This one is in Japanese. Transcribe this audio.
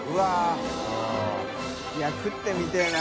い食ってみてぇな。